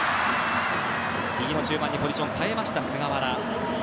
右の中盤にポジションを変えた菅原。